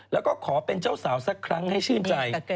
แล้วก็ขอเป็นเจ้าสาวสักครั้งให้ชื่นใจ